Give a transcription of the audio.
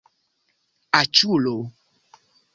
aĉulo